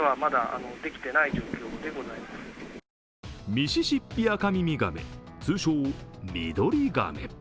ミシシッピアカミミガメ、通称ミドリガメ。